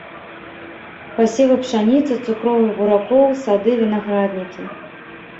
Пасевы пшаніцы, цукровых буракоў, сады, вінаграднікі.